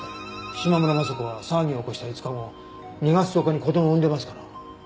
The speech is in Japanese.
島村昌子は騒ぎを起こした５日後２月１０日に子供を産んでますから。